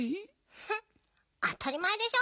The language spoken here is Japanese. フンあたりまえでしょ。